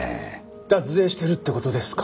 脱税してるってことですか？